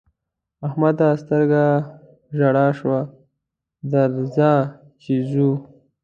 احمده! سترګه ژړه شوه؛ درځه چې ځو.